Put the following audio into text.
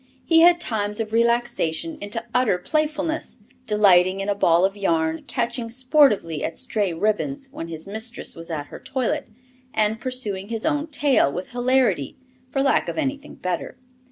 He had times of relaxation into utter playfulness, delighting in a ball of yarn, catching sportively at stray ribbons when his mistress was at her toilet, and pursuing his own tail, with hilarity, for lack of anything better.